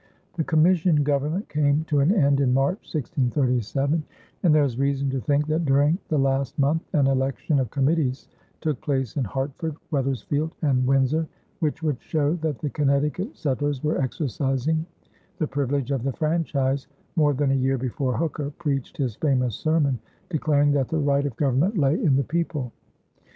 The commission government came to an end in March, 1637, and there is reason to think that during the last month, an election of committees took place in Hartford, Wethersfield, and Windsor, which would show that the Connecticut settlers were exercising the privilege of the franchise more than a year before Hooker preached his famous sermon declaring that the right of government lay in the people.